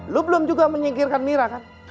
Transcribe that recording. lo belum juga menyingkirkan mirah kan